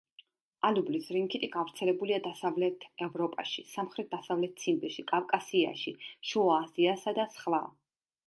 ალუბლის რინქიტი გავრცელებულია დასავლეთ ევროპაში, სამხრეთ-დასავლეთ ციმბირში, კავკასიაში, შუა აზიასა და სხვა.